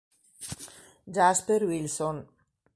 Jasper Wilson